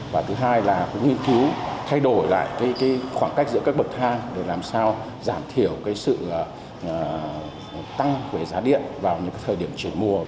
và thứ hai là cũng nghiên cứu thay đổi lại khoảng cách giữa các bậc thang để làm sao giảm thiểu cái sự tăng về giá điện vào những thời điểm chuyển mùa